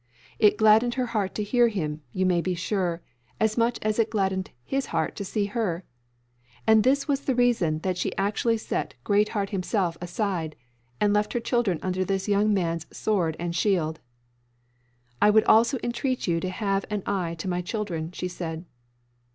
It gladdened her heart to hear him, you may be sure, as much as it gladdened his heart to see her. And that was the reason that she actually set Greatheart himself aside, and left her children under this young man's sword and shield. "I would also entreat you to have an eye to my children," she said.